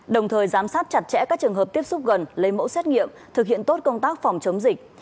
đồng thời giám sát chặt chẽ các trường hợp tiếp xúc gần lấy mẫu xét nghiệm thực hiện tốt công tác phòng chống dịch